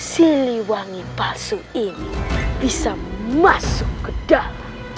siliwangi palsu ini bisa masuk ke dalam